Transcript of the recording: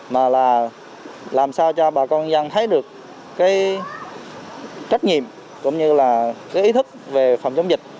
mà là làm sao cho bà con dân thấy được cái trách nhiệm cũng như là cái ý thức về phòng chống dịch